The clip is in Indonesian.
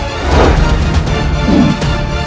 aku akan mencari dia